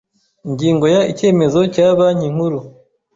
Ingingo ya Icyemezo cya Banki nkuru